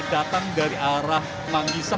datang dari arah manggisan